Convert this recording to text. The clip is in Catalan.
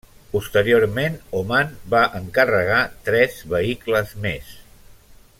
Posteriorment, Oman, va encarregar tres vehicles més.